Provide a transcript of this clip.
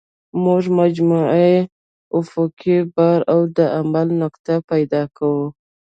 موږ مجموعي افقي بار او د عمل نقطه پیدا کوو